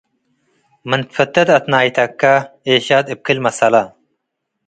ምን ትፈቴ ተአትናይተካ - ኤሻት እብ ክል መሰላ